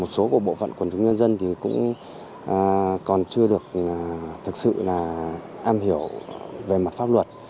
một số của bộ phận quần chúng nhân dân thì cũng còn chưa được thực sự là am hiểu về mặt pháp luật